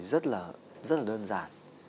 rất là đơn giản